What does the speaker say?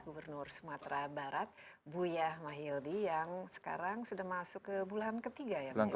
gubernur sumatera barat buya mah yildi yang sekarang sudah masuk ke bulan ke tiga ya